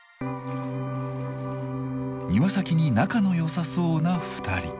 庭先に仲のよさそうな２人。